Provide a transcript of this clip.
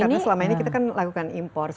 karena selama ini kita kan melakukan import